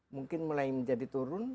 mungkin mulai menjadi turun